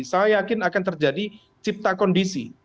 saya yakin akan terjadi cipta kondisi